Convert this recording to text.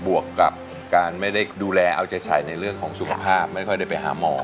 วกกับการไม่ได้ดูแลเอาใจใส่ในเรื่องของสุขภาพไม่ค่อยได้ไปหาหมอ